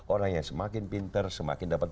orang yang semakin pinter semakin dapat